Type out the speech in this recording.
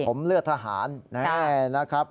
ผมเลือดทหารนะครับ